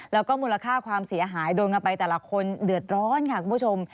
แล้วก็มูลค่าความเสียหายโดนกันไปแต่ละคนเดือดร้อนค่ะคุณผู้ชม